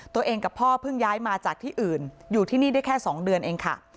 กับพ่อเพิ่งย้ายมาจากที่อื่นอยู่ที่นี่ได้แค่๒เดือนเองค่ะ